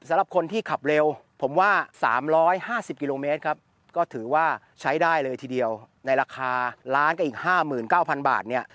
สำหรับคนที่ขับเร็วผมว่าสามร้อยห้าสิบกิโลเมตรครับก็ถือว่าใช้ได้เลยทีเดียวในราคาร้านกับอีกห้าหมื่นเก้าพันบาทเนี่ย